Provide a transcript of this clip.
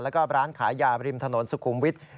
แล้วก็ร้านขายยาบริมถนนสุขุมวิทย์